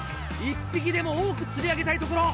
１匹でも多く釣り上げたいところ。